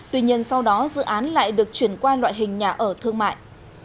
tuy nhiên sau đó dự án lại được chuyển qua loại hình nhà ở thương mại